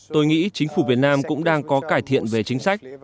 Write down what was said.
tôi nghĩ chính phủ việt nam cũng đang có cải thiện về chính sách